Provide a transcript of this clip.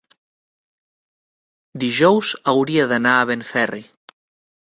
Dijous hauria d'anar a Benferri.